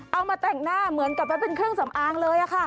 เอามาแต่งหน้าเหมือนกับไว้เป็นเครื่องสำอางเลยค่ะ